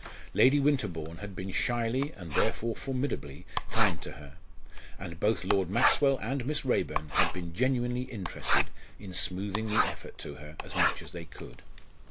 Lady Winterbourne had been shyly and therefore formidably kind to her; and both Lord Maxwell and Miss Raeburn had been genuinely interested in smoothing the effort to her as much as they could.